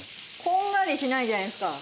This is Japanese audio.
こんがりしないじゃないですか。